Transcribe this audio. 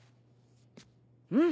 うん。